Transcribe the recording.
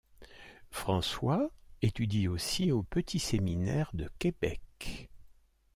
François étudie aussi au Petit Séminaire de Québec.